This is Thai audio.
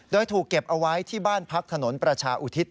โดยถูกเก็บเอาไว้ที่บ้านพักถนนประชาอุทิศ